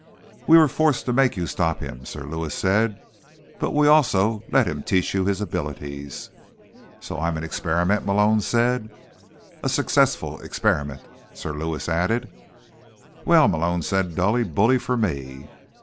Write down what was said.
"We were forced to make you stop him," Sir Lewis said. "But we also let him teach you his abilities." "So I'm an experiment," Malone said. "A successful experiment," Sir Lewis added. "Well," Malone said dully, "bully for me."